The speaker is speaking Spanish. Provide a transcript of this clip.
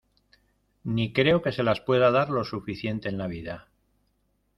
ni creo que se las pueda dar lo suficiente en la vida.